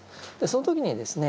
その時にですね